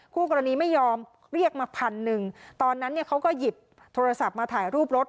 คู่กรณีไม่ยอมเรียกมาพันหนึ่งตอนนั้นเนี่ยเขาก็หยิบโทรศัพท์มาถ่ายรูปรถ